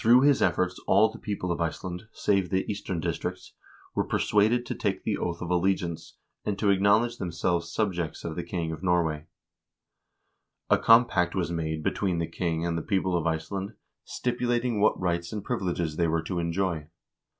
438 HISTORY OF THE NORWEGIAN PEOPLE efforts all the people of Iceland, save the eastern districts, were per suaded to take the oath of allegiance, and to acknowledge themselves subjects of the king of Norway. A compact was made between the king and the people of Iceland stipulating what rights and privileges they were to enjoy.